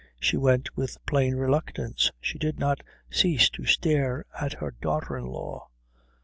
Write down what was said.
She went with plain reluctance. She did not cease to stare at her daughter in law.